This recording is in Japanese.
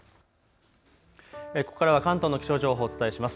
ここからは関東の気象情報をお伝えします。